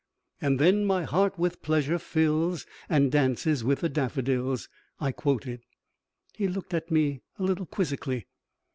"And then my heart with pleasure fills and dances with the daffodils," I quoted. He looked at me a little quizzically.